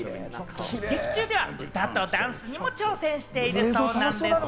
劇中では歌とダンスにも挑戦しているそうなんです。